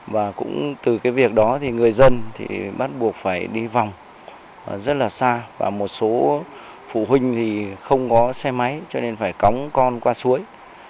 và cũng từ cái việc đó thì người dân thì bắt buộc phải đi vòng rất là xa và một số phụ huynh thì không có xe máy cho nên phải cóng con suối